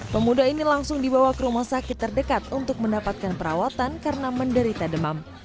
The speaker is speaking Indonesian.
pemuda ini langsung dibawa ke rumah sakit terdekat untuk mendapatkan perawatan karena menderita demam